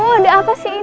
ada apa sih ini